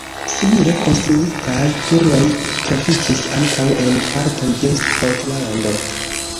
Simile konstruitaj turoj troviĝis ankaŭ en partoj de Skotlando.